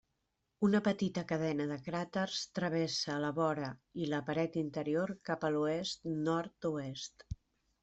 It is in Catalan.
Una petita cadena de cràters travessa la vora i la paret interior cap a l'oest-nord-oest.